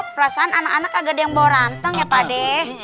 perasaan anak anak agak diem bawa ranteng ya pade